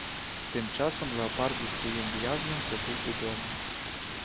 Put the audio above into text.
Тим часом леопард зі своїм в'язнем прибув додому.